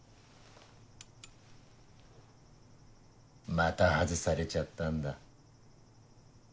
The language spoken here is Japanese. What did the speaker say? また外されちゃったんだ。